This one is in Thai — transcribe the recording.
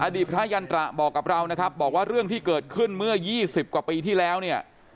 ดีพระยันตระบอกกับเรานะครับบอกว่าเรื่องที่เกิดขึ้นเมื่อ๒๐กว่าปีที่แล้วเนี่ย